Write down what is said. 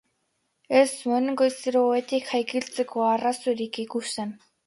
Ez zuen goizero ohetik jaikitzeko arrazoirik ikusten.